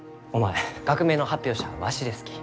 学名の発表者はわしですき。